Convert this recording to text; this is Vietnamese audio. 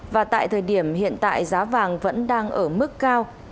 và tại thời điểm hiện tại giá vàng vẫn đang ở mức cao